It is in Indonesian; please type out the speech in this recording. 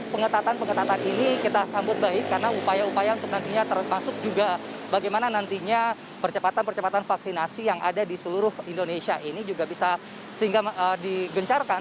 pengetatan pengetatan ini kita sambut baik karena upaya upaya untuk nantinya termasuk juga bagaimana nantinya percepatan percepatan vaksinasi yang ada di seluruh indonesia ini juga bisa sehingga digencarkan